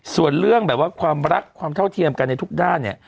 ส่วนเรื่องแบบว่าความรักความเท่าเทียมกันในทุกด้านเนี่ย